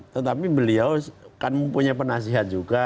tetapi beliau kan mempunyai penasihat juga